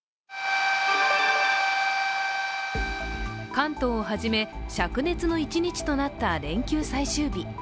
関東をはじめ、しゃく熱の１日となった連休最終日。